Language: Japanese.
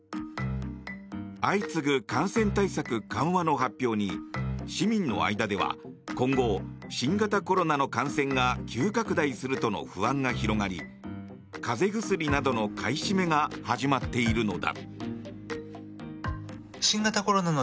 相次ぐ感染対策緩和の発表に市民の間では今後新型コロナの感染が急拡大するとの不安が広まり風邪薬などの買い占めが始まっているのだ。